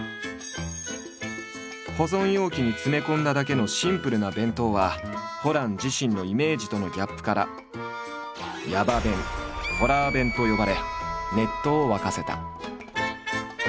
保存容器に詰め込んだだけのシンプルな弁当はホラン自身のイメージとのギャップから「ヤバ弁」「ホラー弁」と呼ばれネットを沸かせた。